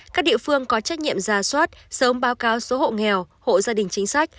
các địa phương có trách nhiệm ra soát sớm báo cáo số hộ nghèo hộ gia đình chính sách